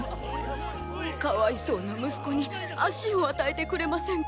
かわいそうな息子に足を与えてくれませんか？